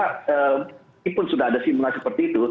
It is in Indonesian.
walaupun sudah ada simulasi seperti itu